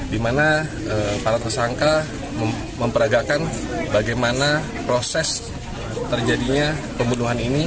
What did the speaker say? di mana para tersangka memperagakan bagaimana proses terjadinya pembunuhan ini